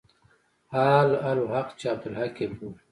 اهل حل و عقد چې عبدالحق يې بولي.